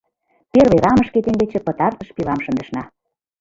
Первый рамышке теҥгече пытартыш пилам шындышна.